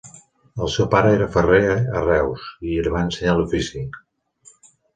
El seu pare era ferrer a Reus i li va ensenyar l'ofici.